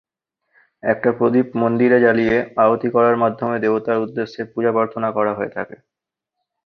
একটা প্রদীপ মন্দিরে জ্বালিয়ে আরতি করার মাধ্যমে দেবতার উদ্দেশ্যে পূজা প্রার্থনা করা হয়ে থাকে।